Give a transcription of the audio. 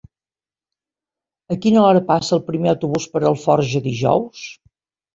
A quina hora passa el primer autobús per Alforja dijous?